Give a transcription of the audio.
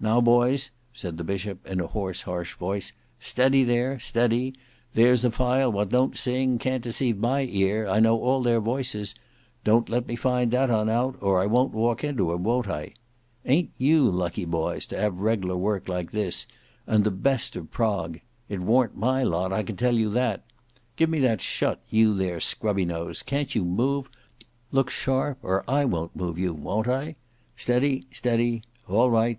"Now boys," said the bishop, in a hoarse, harsh voice, "steady, there; steady. There's a file what don't sing; can't deceive my ear; I know all their voices. Don't let me find that un out, or I won't walk into him, won't I? Ayn't you lucky boys, to have reg'lar work like this, and the best of prog! It worn't my lot, I can tell you that. Give me that shut, you there, Scrubbynose, can't you move? Look sharp, or I won't move you, won't I? Steady, steady! All right!